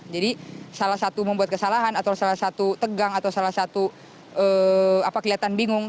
jadi salah satu membuat kesalahan atau salah satu tegang atau salah satu kelihatan bingung